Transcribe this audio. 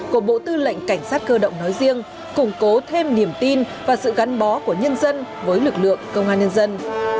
của bộ tư lệnh cảnh sát cơ động nói riêng củng cố thêm niềm tin và sự gắn bó của nhân dân với lực lượng công an nhân dân